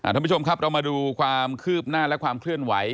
ท่านผู้ชมครับเรามาดูความคืบหน้าและความเคลื่อนไหว